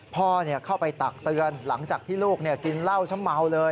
พ่อเข้าไปตักเตือนหลังจากที่ลูกกินเหล้าซะเมาเลย